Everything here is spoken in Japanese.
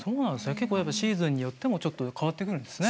結構やっぱシーズンによってもちょっと変わってくるんですね。